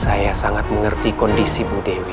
saya sangat mengerti kondisi bu dewi